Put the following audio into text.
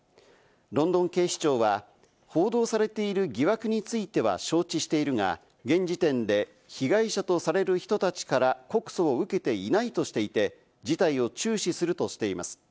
ロンドン警視庁は報道されている疑惑については承知しているが、現時点で被害者とされる人たちから告訴を受けていないとしていて、事態を注視するとしています。